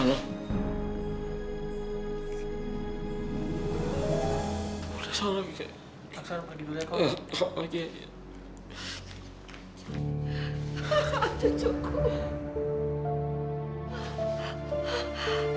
aksan aku lagi doyek kau